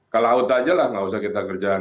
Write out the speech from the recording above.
kalau out aja lah nggak usah kita kerjain